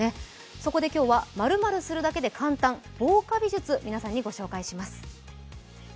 そこで今日は○○するだけで簡単、防カビ術、皆さんにご紹介します。